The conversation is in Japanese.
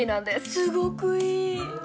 すごくいい！